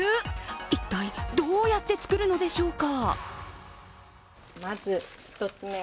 一体どうやって作るのでしょうか。